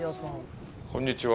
こんにちは。